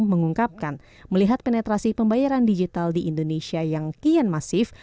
mengungkapkan melihat penetrasi pembayaran digital di indonesia yang kian masif